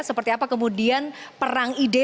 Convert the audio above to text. seperti apa kemudian perang ide